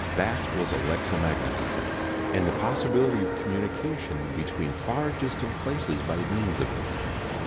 That was electromagnetism, and the possibility of communication between far distant places by means of it.